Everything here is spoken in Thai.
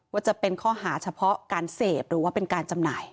ว่าจะเป็นข้อหาเฉพาะการเสพหรือว่าเป็นการจำหน่าย